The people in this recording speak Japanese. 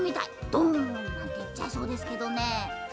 ドンなんていっちゃいそうですけどね。